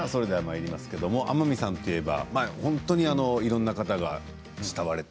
天海さんといえば本当にいろいろな方から慕われて。